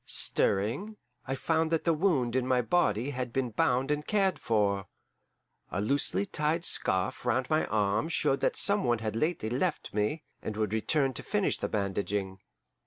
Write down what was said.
Stirring, I found that the wound in my body had been bound and cared for. A loosely tied scarf round my arm showed that some one had lately left me, and would return to finish the bandaging.